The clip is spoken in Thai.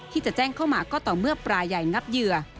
ที่จะแจ้งเข้ามาก็ต่อเมื่อปลาใหญ่งับเหยื่อ